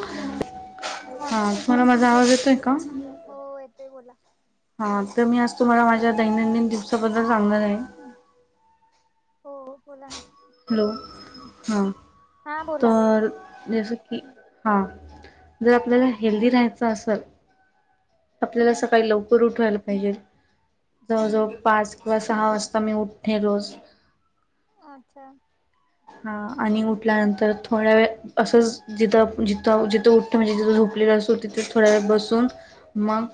हा तुम्हाला माझा आवाज येतोय का हो-हो येतोय बोला हा तर मी आज तुम्हाला माझ्या दैनंदिन दिवसाबद्दल सांगणार आहे. हो बोला ना हॅलो हा हा बोला तर जस की हा जर आपल्याला हेल्दी रहायचं असल आपल्याला हम्म सकाळी लवकर उठायला पाहिजे. जवळ-जवळ हम्म पाच किंवा सहा वाजता मी उठते रोज अच्छा हा आणि उठल्यानंतर थोड्या वेळ असंच जिथं -जिथं, जिथं उठतो म्हणजे जिथं झोपलेलं असतो तिथे थोड्या वेळ बसून मग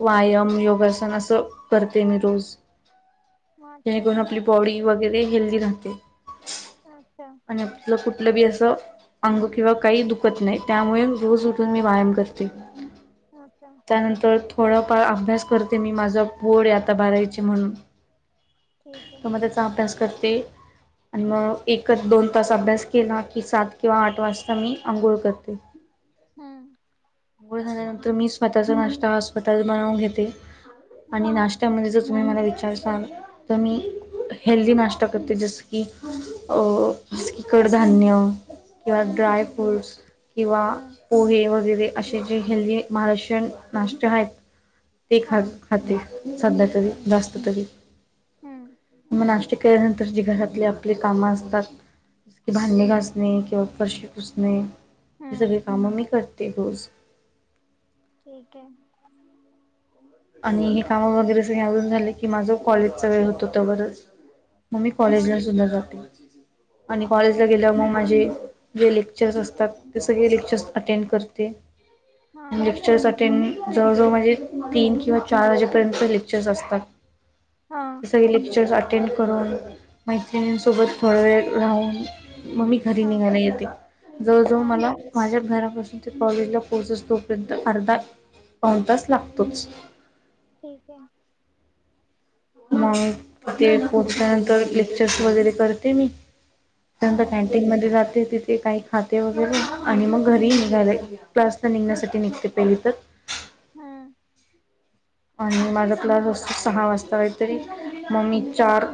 व्यायाम योगासन असं करते मी रोज अच्छा जेणेकरून आपली बॉडी वगैरे हेल्दी राहते. अच्छा आणि आपलं कुठलं बी अस अंग किंवा काही दुखत नाही त्यामुळे रोज उठून मी व्यायाम करते. अच्छा त्यानंतर थोडाफार अभ्यास करते मी माझा बोर्ड आता बारावीचे म्हणून ठीक आहे तर मग त्याचा अभ्यास करते आणि मग एकच दोन तास अभ्यास केला की सात किंवा आठ वाजता मी आंघोळ करते. हम्म आंघोळ झाल्यानंतर मी स्वतःचा नाश्ता हा स्वतः बनवून घेते आणि हम्म नाश्त्या म्हणजे तुम्ही मला विचारसाल तर मी हेल्दी नाश्ता करते जसं की अ जस की कडधान्य किंवा हम्म ड्राय फ्रूट्स किंवा हम्म पोहे वगैरे असे जे हेल्दी महाराष्ट्रीयन नाष्टे आहेत ते हा खा खाते सध्या तरी हम्म जास्त तरी हम्म मग नाश्ते केल्यानंतर जी घरातली आपली काम अस तात की भांडी घासणे किंवा फरशी पुुसणे हे सगळी हम्म कामं मी करते रोज ठीक आहे. आणि हे कामं वगैरे सगळे आवरून झाले की माझं कॉलेजचा वेळ होतो तोवर मग मी हा कॉलेजला सुद्धा जाते आणि अच्छा कॉलेजला गेल्यावर मग माझी जे लेक्चर्स असतात ते सगळे लेक्चर्स अटेंड करते हा लेक्चर्स अटेंड जवळ जवळ म्हणजे तीन किंवा चार वाजेपर्यंत लेक्चर्स असतात. हा सगळे लेक्चर अटेंड करून मैत्रिणीसोबत थोडा वेळ राहून. मग मी घरी हा निघायला येते जवळ जवळ हा मला. माझ्या घरापासून ते कॉलेजला पोहोचत तोपर्यंत अर्धा पिऊन तास लागतोच. ठीक आहे मग ते पोहोचल्यानंतर लेक्चर्स वगैरे करते मी त्यांत हम्म कॅन्टीन मध्ये जाते तिथे काही खाते वगैरे आणि मग घरी निघालंय ते क्लासला निघण्यासाठी निघते पहिली तर हम्म आणि माझा क्लास अस सहा वाजता काही तरी मम्मी चार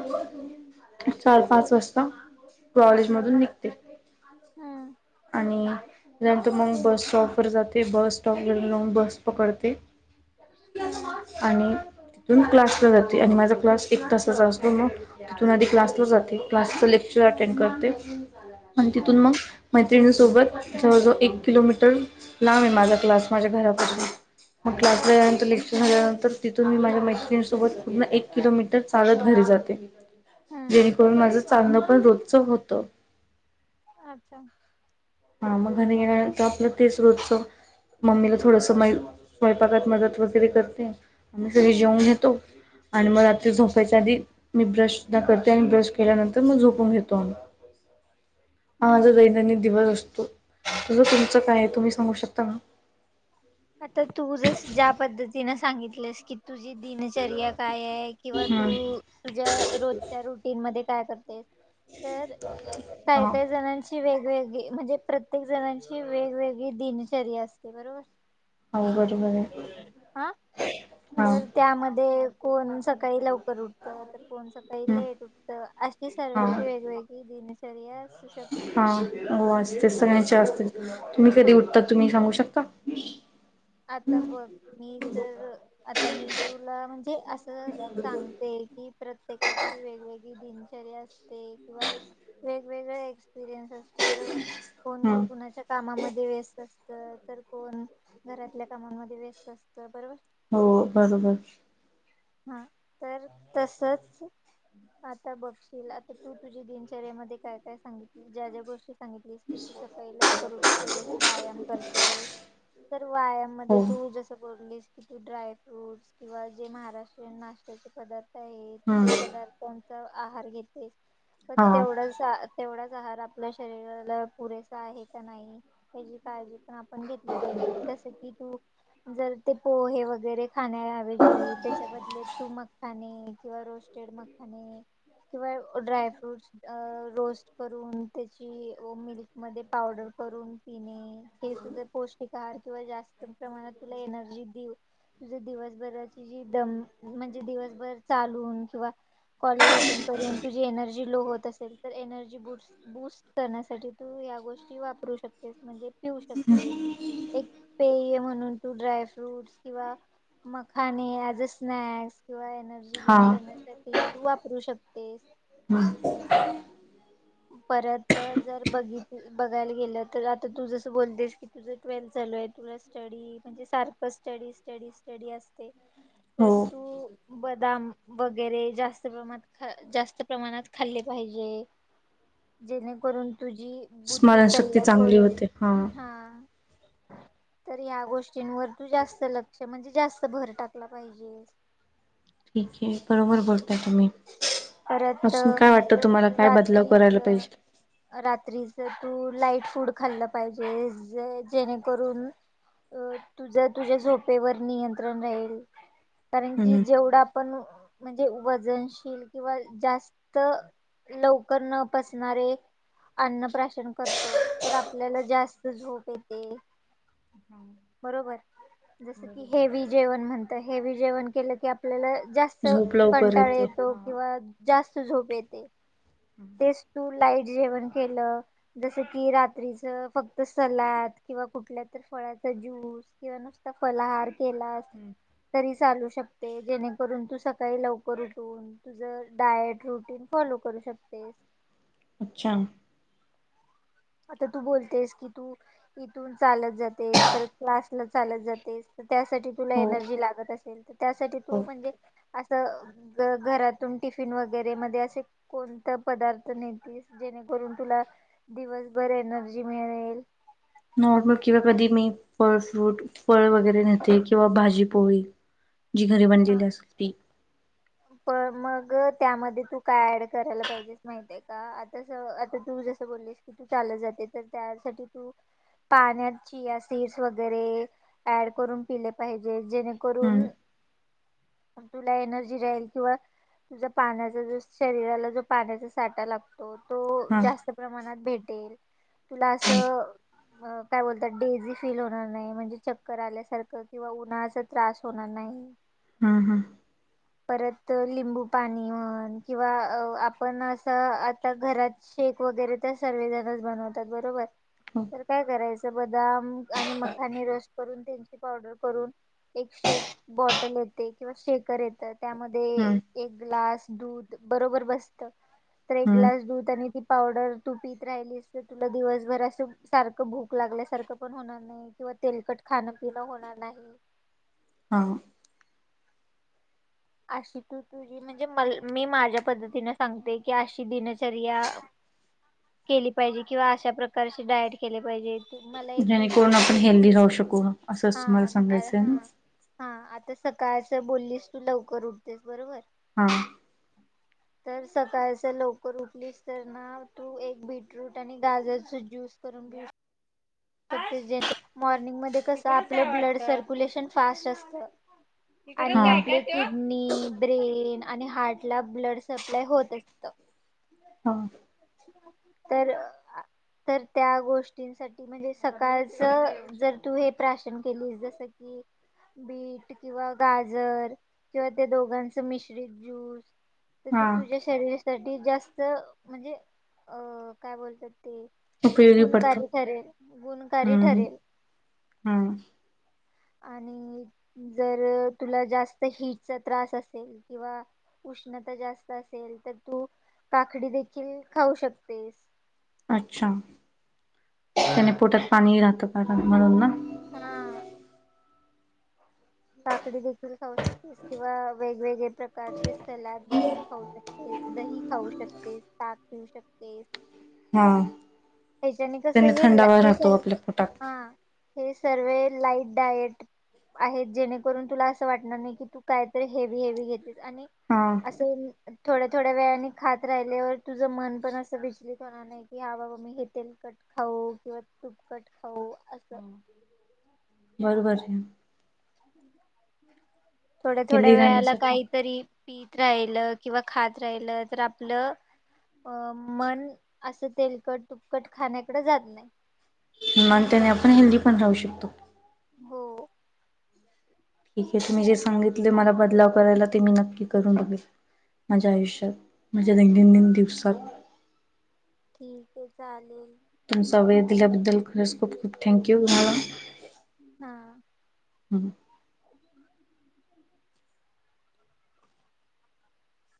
चार पाच वाजता कॉलेज मधून निघते. हम्म आणि नाही तर मग बस स्टॉप वर जाते. बस स्टॉप वर जाऊन बस पकडते. हम्म आणि तिथून क्लासला जाते आणि माझा क्लास एक तासाचा असतो मग तिथून आधी क्लासला जाते. क्लासच लेक्चर हम्म हम्म अटेंड करते आणि तिथून हम्म मग. मैत्रिणीसोबत जवळजवळ एक किलोमीटर लांब आहे माझा क्लास माझ्या घरापासून मग हो क्लासला जायचं तुम्ही झाल्यानंतर तिथून मी माझ्या मैत्रिणीसोबत पूर्ण एक किलोमीटर चालत घरी जाते. हम्म जेरीकरून माझं चांगलं पण रोजचं होत. अच्छा हा मग घर गेल्यानंतर आपलं तेच रोच. मम्मीला थोडस मय स्वयंपाकात मदत वगैरे करते. आम्ही सगळे जेवन हम्म घेतो. आणि मग आता झोपायच्या आधी मी ब्रश सुद्धा करते आणि ब्रश केल्यानंतर मग झोपून घेतो आम्ही पैसा [inaudible] हा माझा हम्म दैनंदिन दिवस असतो. तस तुमचा काय? आहे तुम्ही सांगू शकता ना. आता तू जस ज्या पद्धतीनें सांगितलंस की तुझी दिनचर्या काय आहे. किंवा तू हां तुझ्या रोजच्या रुटीन मध्ये काय करते तर काय हां काही जणांची वेगवेगळी म्हणजे प्रत्येक जणांची वेगवेगळी दिनचर्येया असते बरोबर. अवघड आहे बर. हा तर त्यामध्ये कोण सकाळी लवकर उठ तर कोण सकाळी हं लेट उठत. अशी सर्वांची वेगवेगळी दिनचर्या असु शकते. हा हो असते बरोबर सगळ्यांची असते. तुम्ही कधी हा उठतात. तुम्ही सांगू शकता? आता बघ मी तर आता मी तुला म्हणजे अस सांगते कि प्रत्येकाची वेगवेगळी दिनचर्या असते. ते किंवा वेगवेगळे एक्सपिरियन्स असतो बरोबर. हां कोणी कुणाच्या कामामध्ये वेस्त असत. तर कोण घरातल्या काममध्ये वेस्त असत बरोबर. हो बरोबर. हा तर तसच आता बघशील आता तू तुझी दिनचर्यामध्ये काय काय सांगितली. ज्या ज्या गोष्टी सांगितलीस की, तू सकाळी लवकर उठतेस. व्यायाम करतेस. तर वायाम मध्ये हो तू जस बोललीस ड्राय फ्रूट्स किंवा जे महाराष्ट्रीय नाश्त्याचे पदार्थ आहेत हां ते पदार्थ त्यांचा आहार घेते. पण हां तेवढ तेवढाच आहार आपल्या शरीराला पुरेसा आहे का नाही ह्याची काळजी पण आपण घेतली पाहिजे. जस की तू जर ते पोहे वगैरे खाण्याऐवजी त्याच्याबद् मखाने किंवा रोस्टेड मखाने. किंवा ड्राय फ्रूटस. अ रोस्ट करून, त्याची व मिल्कमध्ये पावडर करून पिणे. ते सुद्धा पोस्ट जास्त प्रमाणात तुला एनर्जी देवून तुझ दिवसभराची जी दम म्हणजे दिवसभर चालून किंवा कॉलेज अटेंड करून तुझी एनर्जी लो होत असेल तर एनर्जी बुटस बूस्ट करण्यासाठी तू या गोष्टी वापरू शकतेस. म्हणजे पिऊ शकतेस. एक पेय म्हणून तू ड्राय फ्रूटस किंवा मखाने याजस स्नॅक्स किंवा एनर्जी हा गेन करण्यासाठी तू वापरू शकतेस. हम्म परत जर बघित बघायला गेल तर आता तू जस बोलतेस की तुझ ट्वेल्थ चालू आहे. तुला स्टडी म्हणजे, सारख स्टडी स्टडी स्टडी असते. हो तर तू बदाम वगैरे जास्त प्रमाणात जास्त प्रमाणात खाल्ले पाहिजे. जेणेकरून तुझी बुद्धी स्मरणशक्ती तल्लक चांगली होईल. होते हा तर या गोष्टींवर तू जास्त लक्ष म्हणजे जास्त भर टाकला पाहिजे. ठीक आहे. बरोबर बोलताय तुम्ही. परत अजून काय वाटत तुम्हाला? काय बदलाव करायला रात्रीच पाहिजे. रात्रीच तू लाईट फूड खाल्ल पाहिजेस जे जेणेकरून अ तुझ तुझ्या झोपेवर नियंत्रण राहील. कारण की, हम्म जेवढ आपण म्हणजे वजनशील किंवा जास्त लवकर न पचणारे अन्नप्राशन करतो. तर आपल्याला जास्त झोप येते. हा बरोबर जस की बरोबर हेवी जेवण म्हणत. हेवी जेवण केल की आपल्याला जास्त अस झोप लवकर कंटाळा येते येतो. हा किंवा जास्त झोप येते. तेच तू लाईट जेवण केल जस कि रात्रीच फक्त सलाद किंवा कुठल्या तर फळाचा ज्यूस. किंवा नुसता फलाहार केलास. हम्म. तरी चालू शकते. जेणेकरून तू सकाळी लवकर उठून तुझ डायट रुटीन फॉलो करू शकतेस. अच्छा. आता तू बोलतेस की, तू इथून चालत जातेस. परत क्लासला चालत जातेस. तर त्यासाठी तुला हो एनर्जी लागत असेल तर, त्यासाठी हो तू म्हणजे असं घरातून टिफिन वगैरे मध्ये असे कोणता पदार्थ नेतीस जेणेकरून तुला दिवसभर एनर्जी मिळेल. नॉर्मल किंवा कधी मी फळ, फ्रूट, फळ वगैरे नेते किंवा भाजी पोळी. जी घरी बनलेली असती. पण मग त्यामध्ये तू काय ऍड करायला पाहिजे? माहित आहे का. आता आता तू जस बोललीस की तू चालत जाते तर त्यासाठी तू पाण्यात चिया सिड्स वगैरे ऍड करून पिल पाहिजे. जेणेकरून हम्म तुला एनर्जी राहील किंवा तुझ्या पाण्याचा जस शरीराला जो पाण्याचा साठा लाग तो. तो हा जास्त प्रमाणात भेटेल तुला असं. अ काय बोलतात डेझी फील होणार नाही. म्हणजे चक्कर आल्यासारखं किंवा उन्हाळ्या चा त्रास होणार नाही. हम हम. परत लिंबू पाणी म्हण. किंवा आपण असं आता घरात शेक वगैरे तर सर्वजणच बनवतात बरोबर. हो तर काय करायचं. बदाम आणि मखानी रेस्ट करून त्यांची पावडर करून एक शेक बॉटल येते किंवा शेकर येतं त्यामध्ये हम्म एक ग्लास दूध बरोबर बसत. तर एक हम्म ग्लास दूध आणि ती पावडर तू पीत राहिलीस अस तुला दिवसभर असं सारखं भूक लागल्यासारखं पण होणार नाही. किंवा तेलकट खाणं पिणं होणार नाही. हा. अशी तू तुझी म्हणजे म मी माझ्या पद्धतीनें सांगते की अशी दिनचर्या केली पाहिजे किंवा अशा प्रकारचे डायट केली पाहिजे. मला एक जेणेकरून आपण बीटरूटचा ज्यूस हेल्दी राहू शकू. हा असंच तुम्हाला हा सांगायचं आहे ना. हा आता सकाळच बोललीस तू लवकर उठतेस बरोबर. हा. तर सकाळच लवकर उठलीस तर ना. तू एक बीटरूट आणि गाजरचा ज्यूस करून घे. आता जेणेकरून मॉर्निंगमध्ये कसं आपलं ब्लड सर्क्युलेशन फास्ट असतं. हा आणि आपल्या किडनी ब्रेन आणि हार्ट ला ब्लड सप्लाय होत असत. हा. तर, तर त्या गोष्टींसाठी म्हणजे सकाळच जर तू हे प्राशन केलीस जस की, बीट किंवा गाजर किंवा ते दोघांच मिश्रित ज्यू स. तर हा ते तुझ्या शरीरासाठी जास्त म्हणजे अ काय बोलतात ते उपयोगी पडतो गुणकारी ठरेल. गुणकारी हम्म ठरेल हां. आणि जर तुला जास्त हिटचा त्रास असेल किंवा उष्णता जास्त असेल तर तु काकडी देखील खाऊ शकतेस. अच्छा त्याने पोटात पाणी राहतं कारण म्हणून ना? हा काकडी देखील खाऊ शकते. किंवा वेगवेगळे प्रकारचे सलाद बनून खाऊ शकते, दही खाऊ शकते. साथ घेऊ शकतेस. हा ह्याच्याने कसं त्याने हे थंडावा हे राहतो आपल्या पोटात सर्वे हे सर्व लाईट डायट आहेत जेणेकरून तुला असं वाटणार नाही की तू कायतरी हेवी हेवी घेतेस आणि हां असं थोड्या थोड्या वेळाने खात राहिल्यावर तुझं मन पण असं विचलित होणार. नाही की हा बाबा मी हे तेल कट खाऊ किंवा तूप कट खाऊ असं. बरोबर आहे. थोड्या थोड्या हेल्दी वेळाला राहण्यासाठी काहीतरी पित राहिल किंवा खात राहिल तर आपलं - अ मन असं तेलकट तुपकट खाण्याकड जात नाही. मग त्याने आपण हेल्दी पण राहू शकतो. हो ठीक आहे तुम्ही जे सांगितले मला बदलाव करायला ते मी नक्की करून बघेल. माझ्या आयुष्यात माझ्या हा दैनंदिन दिवसात. ठीक आहे चालेल. तुमचा वेळ दिल्याबद्दल खरंच खूप खूप थँक्यू तुम्हांला. हा हम्म